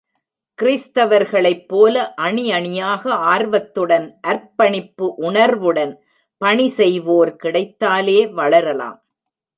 கிறிஸ்தவர்களைப் போல அணி அணி யாக ஆர்வத்துடன் அர்ப்பணிப்பு உணர்வுடன் பணி செய்வோர் கிடைத்தாலே வளரலாம்.